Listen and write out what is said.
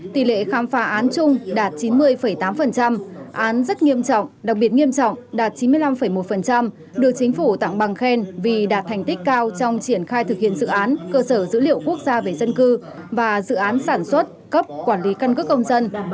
tỷ lệ khám phá án chung đạt chín mươi tám án rất nghiêm trọng đặc biệt nghiêm trọng đạt chín mươi năm một được chính phủ tặng bằng khen vì đạt thành tích cao trong triển khai thực hiện dự án cơ sở dữ liệu quốc gia về dân cư và dự án sản xuất cấp quản lý căn cước công dân